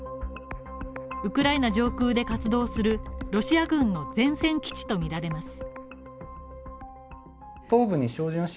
ウクライナ上空で活動するロシア軍の前線基地とみられます。